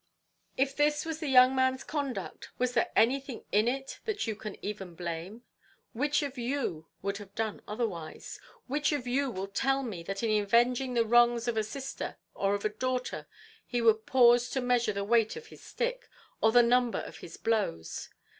"If this was the young man's conduct, was there anything in it that you can even blame? Which of you would have done otherwise? Which of you will tell me that in avenging the wrongs of a sister, or of a daughter, he would pause to measure the weight of his stick, or the number of his blows.